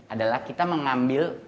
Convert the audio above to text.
adalah kita mengambil